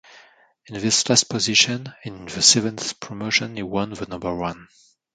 In this last position and in the seventh promotion he won the number one.